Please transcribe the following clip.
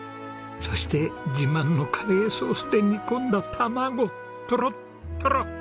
そして自慢のカレーソースで煮込んだ卵トロットロ！